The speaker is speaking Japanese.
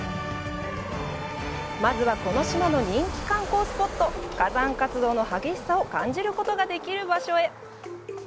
まずはこの島の人気観光スポット、火山活動の激しさを感じることができる場所へ。